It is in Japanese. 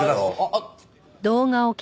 あっ。